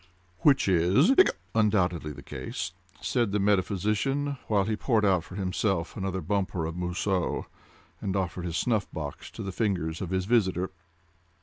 "Which is—hiccup!—undoubtedly the case," said the metaphysician, while he poured out for himself another bumper of Mousseux, and offered his snuff box to the fingers of his visitor.